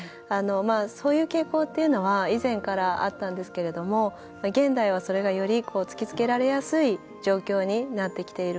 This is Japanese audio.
そういう傾向っていうのは以前からあったんですけれども現代はそれがより突きつけられやすい状況になってきている。